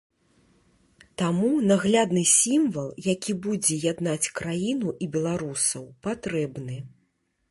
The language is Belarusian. Таму наглядны сімвал, які будзе яднаць краіну і беларусаў патрэбны.